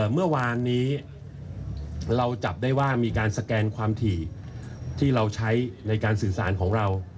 เมื่อวานนี้เราจับได้ว่ามีการสแกนความถี่ที่เราใช้ในการสื่อสารของเรา